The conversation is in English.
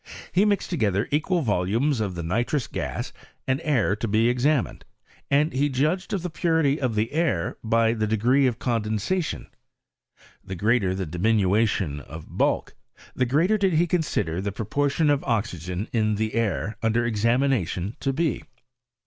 He mixed tc^ether equal volumes of the nitrous gas and air to be exa PH0GRES9 OF CHEMISTRT IN ?RASCE. 125 mined, and he judged of the purity of the air fay the degree ot" condensation ; the greater the dimi nution of bulk, the greater did he consider the pro portion of oxygen in the air under examination to be.